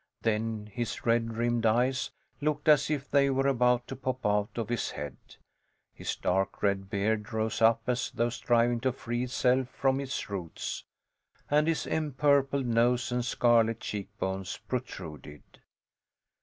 Then his red rimmed eyes looked as if they were about to pop out of his head, his dark red beard rose up as though striving to free itself from its roots, and his empurpled nose and scarlet cheek bones protruded.